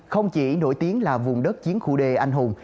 không chỉ nổi tiếng là vùng đất chiến khu đê anh hùng